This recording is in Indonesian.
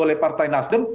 oleh partai nasdem